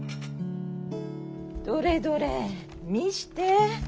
どれどれ見して。